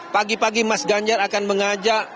pagi pagi mas ganjar akan mengajak